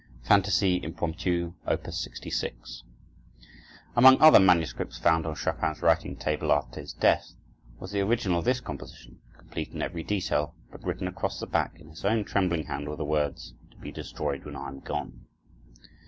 Chopin: Fantasie Impromptu, Op. 66 Among other manuscripts found on Chopin's writing table after his death was the original of this composition, complete in every detail, but written across the back, in his own trembling hand, were the words, "To be destroyed when I am gone."